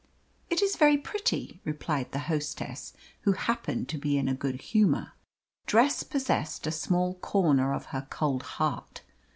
"It is very pretty," replied the hostess, who happened to be in a good humour. Dress possessed a small corner of her cold heart.